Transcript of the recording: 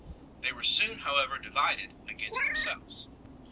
They were soon how ever divided against themselves.